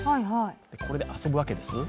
これで遊ぶわけです。